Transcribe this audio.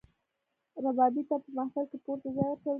ربابي ته په محفل کې پورته ځای ورکول کیږي.